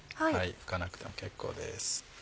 拭かなくても結構です。